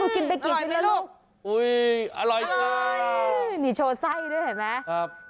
กินไปกี่ชิ้นแล้วลูกอร่อยนี่โชว์ไส้ด้วยเห็นมั้ย